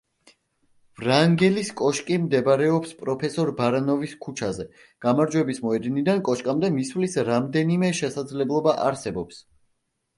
ვრანგელის კოშკი მდებარეობს პროფესორ ბარანოვის ქუჩაზე, გამარჯვების მოედნიდან კოშკამდე მისვლის რამდენიმე შესაძლებლობა არსებობს.